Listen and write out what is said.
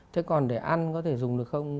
thế còn để ăn có thể dùng được không